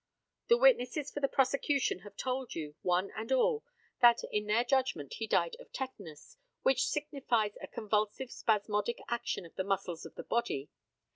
The witnesses for the prosecution have told you, one and all, that, in their judgment, he died of tetanus, which signifies a convulsive spasmodic action of the muscles of the body.